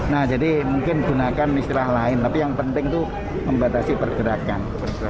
nah jadi mungkin gunakan istilah lain tapi yang penting itu membatasi pergerakan